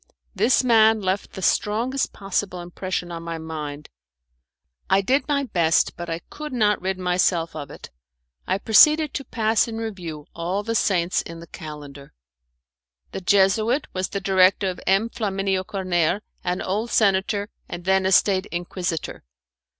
This man left the strongest possible impression on my mind. I did my best, but I could not rid myself of it. I proceeded to pass in review all the saints in the calendar. The Jesuit was the director of M. Flaminio Corner, an old senator, and then a State Inquisitor.